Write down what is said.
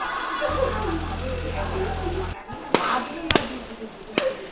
泣くなビシビシビシビシ。